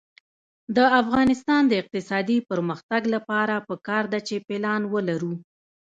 د افغانستان د اقتصادي پرمختګ لپاره پکار ده چې پلان ولرو.